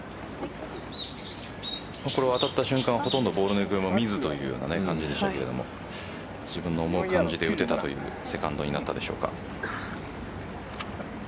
これは当たった瞬間ほとんどボールの行方も見ずというような感じでしたが自分の思う感じで打てたというセカンドになったでしょうか。